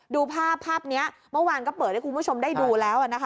ดูภาพภาพนี้เมื่อวานก็เปิดให้คุณผู้ชมได้ดูแล้วนะคะ